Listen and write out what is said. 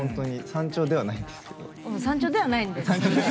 山頂ではないですけど。